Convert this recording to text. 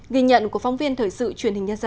ghi nhận của phóng viên thời sự truyền hình nhớ ra